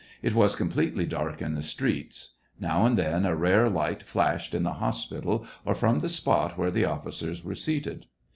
It was completely dark in the streets ; now and then, a rare light flashed in the hospital or from the spot where the officers were seated.